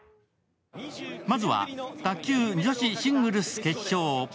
まずは、卓球女子シングルス決勝。